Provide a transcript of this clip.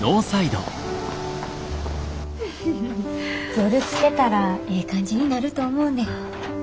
夜つけたらええ感じになると思うねん。